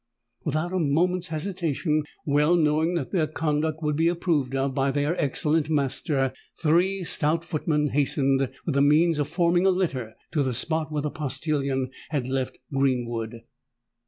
Without a moment's hesitation,—well knowing that their conduct would be approved of by their excellent master,—three stout footmen hastened, with the means of forming a litter, to the spot where the postillion had left Greenwood.